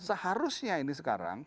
iya seharusnya ini sekarang